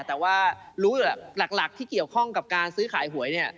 แต่ว่ารู้หลักที่เกี่ยวข้องกับการซื้อขายหวย